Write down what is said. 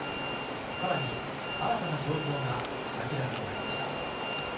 さらに新たな状況が明らかになりました。